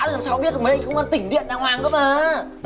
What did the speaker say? làm sao biết mấy công an tỉnh điện đàng hoàng cơ mà